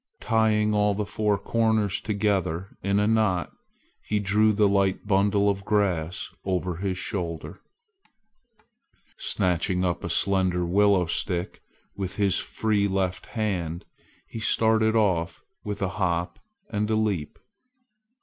Tying all the four corners together in a knot, he threw the light bundle of grass over his shoulder. Snatching up a slender willow stick with his free left hand, he started off with a hop and a leap.